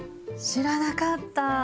知らなかった。